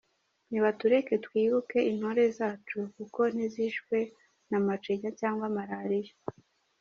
Ni batureke twibuke intore zacu kuko ntizishwe na macinya cyangwa malaria.